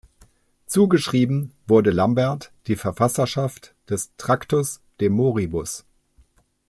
Zugeschrieben wurde Lambert die Verfasserschaft des "Tractatus de moribus".